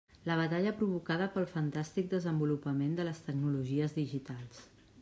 La batalla provocada pel fantàstic desenvolupament de les tecnologies digitals.